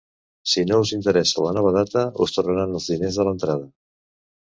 Si no us interessa la nova data, us tornaran els diners de l'entrada.